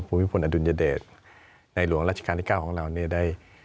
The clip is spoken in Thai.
ภูมิพลอดุลยเดชในหลวงราชการที่๙ของเราเนี่ยได้